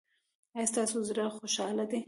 ایا ستاسو زړه خوشحاله دی؟